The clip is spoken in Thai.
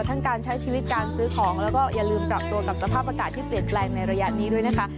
ทั้งการใช้ชีวิตการซื้อของแล้วก็อย่าลืมปรับตัวกับสภาพอากาศที่เปลี่ยนแปลงในระยะนี้ด้วยนะคะ